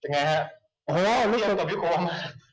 ประมาณสองเหรอครับที่แนนบอกว่้าฮะส่วนตกของวันศุกร์ทรยศรัคมาฮะ